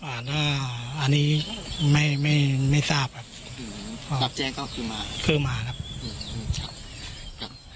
อ่าถ้าอันนี้ไม่ไม่ไม่ทราบอ่ะอืมครับแจ้งก็คือมาคือมาครับอืมครับ